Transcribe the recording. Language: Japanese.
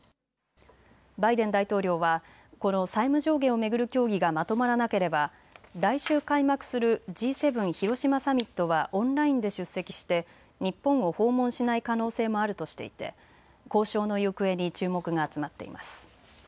バイデン大統領はこの債務上限を巡る協議がまとまらなければ来週開幕するＧ７広島サミットはオンラインで出席して日本を訪問しない可能性もあるとしていて交渉の行方に注目が集まっています。